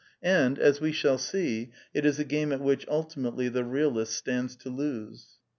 And, as we shall see, it is a game at which ultimately the realist stands to lose.